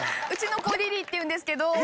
うちの子リリーっていうんですけど。